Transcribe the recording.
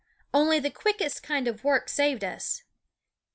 Only the quickest kind of work saved us.